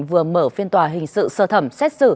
vừa mở phiên tòa hình sự sơ thẩm xét xử